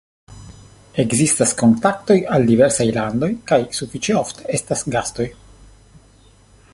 Ekzistas kontaktoj al diversaj landoj kaj sufiĉe ofte estas gastoj.